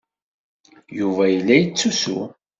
Yuba yella yettusu.